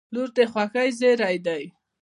• لور د خوښۍ زېری دی.